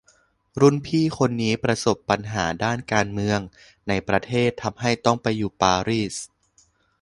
รุ่นพี่คนนี้ประสบปัญหาด้านการเมืองในประเทศทำให้ต้องไปอยู่ปารีส